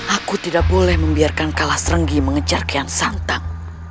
aku tidak boleh membiarkan kalas renggi mengejar kian santang